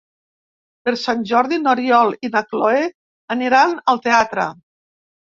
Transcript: Per Sant Jordi n'Oriol i na Cloè aniran al teatre.